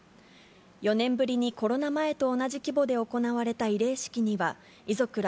４年ぶりにコロナ前と同じ規模で行われた慰霊式には、遺族ら